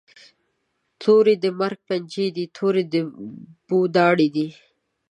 توری د مرګ پنجی دي، توری د بو داړي دي